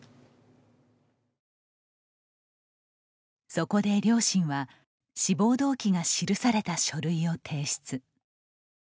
そこで両親は志望動機が記された書類を提出。